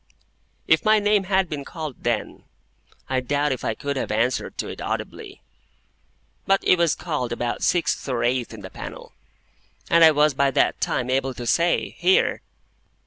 If my name had been called then, I doubt if I could have answered to it audibly. But it was called about sixth or eighth in the panel, and I was by that time able to say, "Here!"